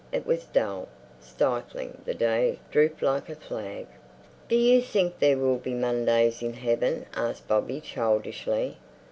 It was dull, stifling; the day drooped like a flag. "Do you think there will be Mondays in Heaven?" asked Bobby childishly.